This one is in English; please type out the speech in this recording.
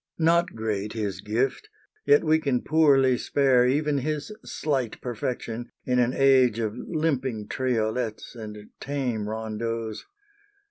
Not great his gift; yet we can poorly spare Even his slight perfection in an age Of limping triolets and tame rondeaux.